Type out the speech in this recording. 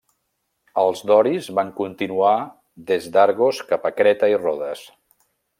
Els doris van continuar des d'Argos cap a Creta i Rodes.